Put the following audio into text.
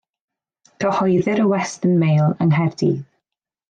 Cyhoeddir y Western Mail yng Nghaerdydd.